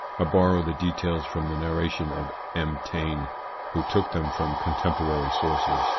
I borrow the details from the narration of M. Taine, who took them from contemporary sources.